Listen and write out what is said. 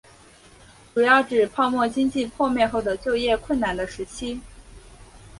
主要指泡沫经济破灭后的就业困难的时期。